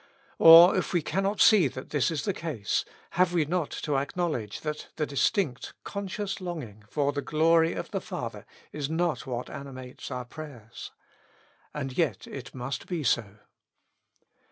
Or, if we cannot see that this is the case, have we not to acknowledge that the distinct, conscious longing for the glory of the Father is not what animates our prayers ? And yet it must be so.